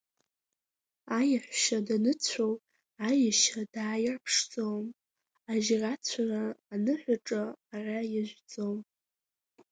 Аиаҳәшьа даныцәоу аиашьа дааирԥшӡом, ажьрацәара аныҳәаҿа ара иажәӡом.